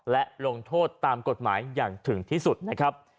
และลงโทษตามกฎหมายอย่างถึงที่สุดนะครับ